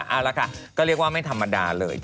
เอาละค่ะก็เรียกว่าไม่ธรรมดาเลย